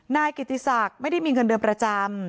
นายกิติศักดิ์ไม่ได้มีเงินเดือนประจำ